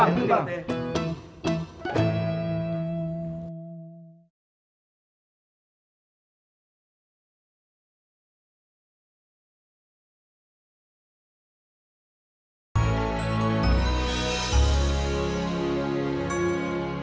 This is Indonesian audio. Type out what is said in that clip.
ya nanti bang